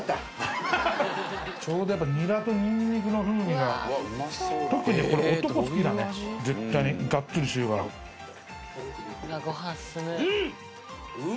ちょうどやっぱニラとにんにくの風味が特にこれ男好きだね絶対ガッツリしてるからうんっ！